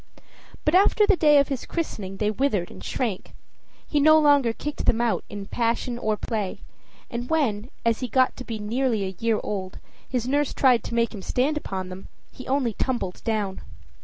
But after the day of his christening they withered and shrank; he no longer kicked them out either in passion or play, and when, as he got to be nearly a year old, his nurse tried to make him stand upon them, he only tumbled down.